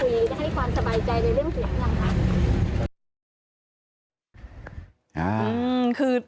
ได้ให้ความสบายใจในเรื่องเสียงขึงครับ